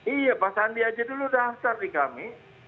iya pak sandi aja dulu daftar di kami